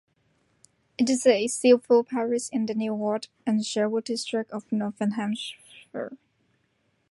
It is a Civil Parish in the Newark and Sherwood district of Nottinghamshire.